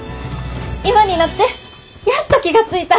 今になってやっと気が付いた！